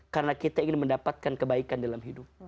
karena kita ingin mendapatkan kebaikan dalam hidup